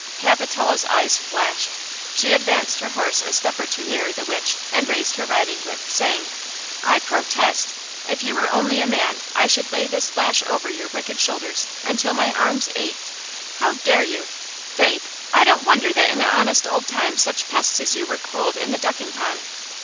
Capitola's eyes flashed! She advanced her horse a step or two nearer the witch and raised her riding whip, saying: "I protest! If you were only a man I should lay this lash over your wicked shoulders until my arms ached! How dare you? Faith, I don't wonder that in the honest old times such pests as you were cooled in the ducking pond!